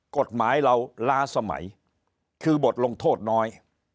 กฎหมายเราล้าสมัยคือบทลงโทษน้อย